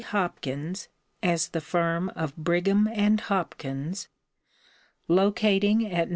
Hopkins as the firm of Brigham & Hopkins, locating at No.